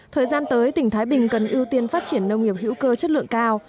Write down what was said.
thời gian tới tỉnh thái bình cần ưu tiên phát triển nông nghiệp hữu cơ chất lượng cao